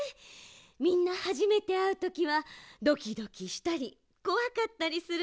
みんなはじめてあうときはドキドキしたりこわかったりするものね。